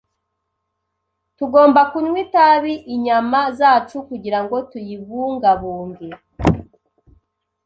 Tugomba kunywa itabi inyama zacu kugirango tuyibungabunge.